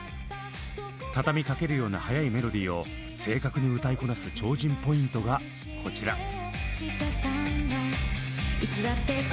畳みかけるような速いメロディーを正確に歌いこなす超人ポイントがこちら。